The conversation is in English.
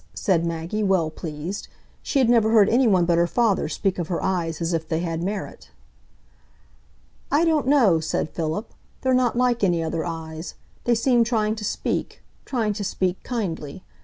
said Maggie, well pleased. She had never heard any one but her father speak of her eyes as if they had merit. "I don't know," said Philip. "They're not like any other eyes. They seem trying to speak,—trying to speak kindly.